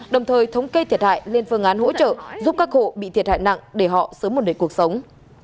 đồng thời thống kê thiệt hại lên phương án hỗ trợ giúp các hộ bị thiệt hại nặng để họ sớm một đời cuộc sống